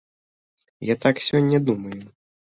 Я так сёння думаю.